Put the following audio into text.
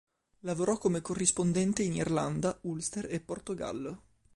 Lavorò come corrispondente in Irlanda, Ulster e Portogallo.